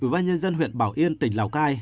ubnd huyện bảo yên tỉnh lào cai